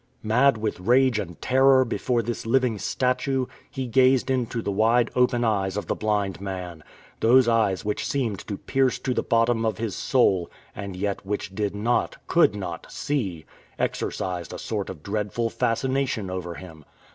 Mad with rage and terror before this living statue, he gazed into the wide open eyes of the blind man. Those eyes which seemed to pierce to the bottom of his soul, and yet which did not, could not, see exercised a sort of dreadful fascination over him.